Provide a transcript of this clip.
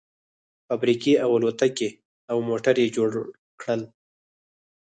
فابريکې او الوتکې او موټر يې جوړ کړل.